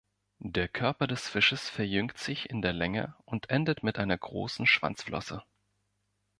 Der Körper des Fisches verjüngt sich in der Länge und endet mit einer großen Schwanzflosse.